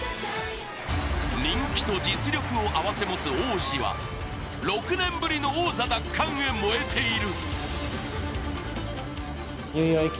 人気と実力を併せ持つ王子は、６年ぶりの王座奪還へ燃えている。